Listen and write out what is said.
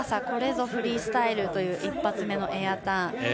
これぞフリースタイルという一発目のエアターン。